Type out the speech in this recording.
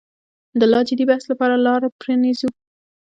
د لا جدي بحث لپاره لاره پرانیزو.